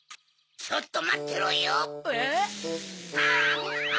ちょっとまってろよ！え？